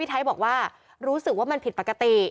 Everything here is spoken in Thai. ไทยบอกว่ารู้สึกว่ามันผิดปกติ